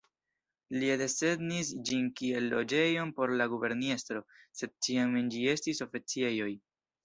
Li desegnis ĝin kiel loĝejon por la guberniestro, sed ĉiam en ĝi estis oficejoj.